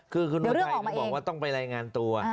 คือคุณอุทัยก็บอกว่าต้องไปรายงานตัว